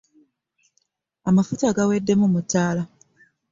Amafuta gaweddemu mu ttaala.